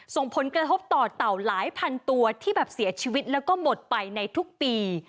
ส่งผลกระทบต่อเต่าหลายพันตัวที่แบบเสียชีวิตแล้วก็หมดไปในทุกปี